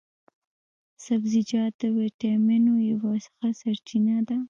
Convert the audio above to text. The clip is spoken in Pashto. سبزیجات د ویټامینو یوه ښه سرچينه ده